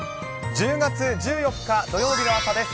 １０月１４日土曜日の朝です。